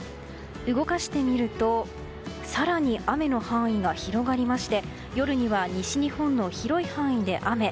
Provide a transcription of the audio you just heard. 動かしてみると更に雨の範囲が広がりまして夜には西日本の広い範囲で雨。